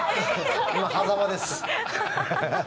今、はざまです。